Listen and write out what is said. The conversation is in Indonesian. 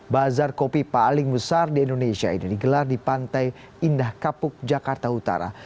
bazar kopi paling besar di indonesia ini digelar di pantai indah kapuk jakarta utara